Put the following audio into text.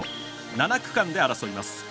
７区間で争います。